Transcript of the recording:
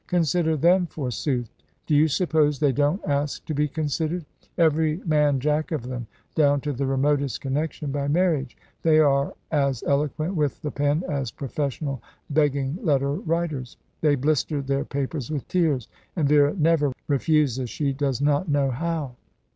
Consider them, forsooth! Do you suppose they don't ask to be considered? Every man jack of them, down to the remotest connection by marriage. They are as eloquent with the pen as professional begging letter writers. They blister their papers with tears. And Vera never refuses. She does not know how."